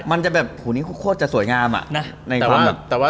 มันจะแบบหูนี่คือโคตรจะสวยงามอ่ะนะในความแบบแต่ว่า